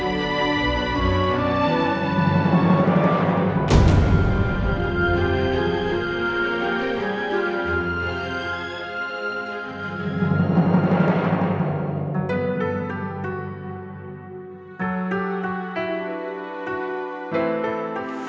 saya menang tante lancar